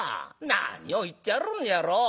何を言ってやるんにゃろう。